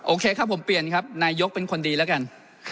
โอเคครับผมเปลี่ยนครับนายกเป็นคนดีแล้วกัน